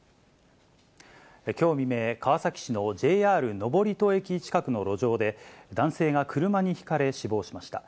きょう未明、川崎市のＪＲ登戸駅近くの路上で、男性が車にひかれ死亡しました。